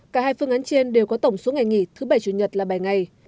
cả hai phương án trên đều có tổng số ngày nghỉ thứ bảy chủ nhật là bảy ngày